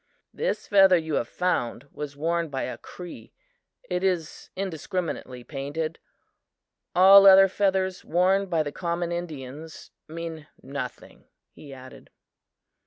"This feather you have found was worn by a Cree it is indiscriminately painted. All other feathers worn by the common Indians mean nothing," he added.